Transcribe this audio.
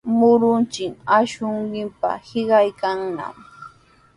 Murunqachik akshunchikqa hiqaykannami.